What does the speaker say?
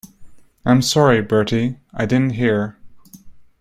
I'm sorry, Bertie, I didn't hear.